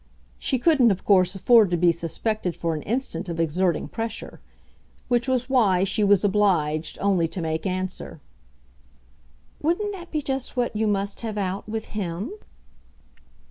She couldn't of course afford to be suspected for an instant of exerting pressure; which was why she was obliged only to make answer: "Wouldn't that be just what you must have out with HIM?"